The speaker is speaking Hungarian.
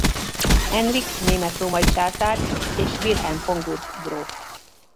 Henrik német-római császár és Wilhelm von Gurk gróf.